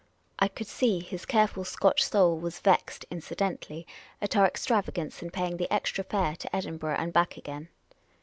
I could see his careful Scotch soul was vexed (incidentally) at our extravagance in paying the extra fare to Edinburgh and back again.